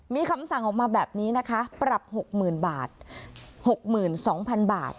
มีคำสั่งออกมาแบบนี้นะคะปรับหกหมื่นบาทหกหมื่นสองพันบาท